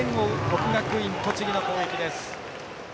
国学院栃木の攻撃です。